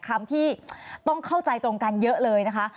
คำที่ต้องเข้าใจตรงกันเยอะเลยนะคะ